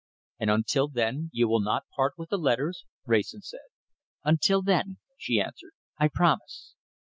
"And until then you will not part with the letters?" Wrayson said. "Until then," she answered, "I promise."